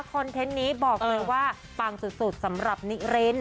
เทนต์นี้บอกเลยว่าปังสุดสำหรับนิริน